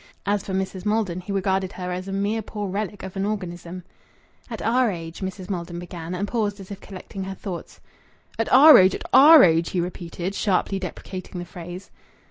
As for Mrs. Maldon, he regarded her as a mere poor relic of an organism. "At our age," Mrs. Maldon began, and paused as if collecting her thoughts. "At our age! At our age!" he repeated, sharply deprecating the phrase.